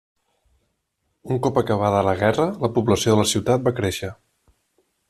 Un cop acabada la guerra, la població de la ciutat va créixer.